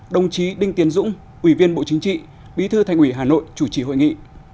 đồng chí đinh tiến dũng ủy viên bộ chính trị bí thư thành ủy hà nội chủ trì hội nghị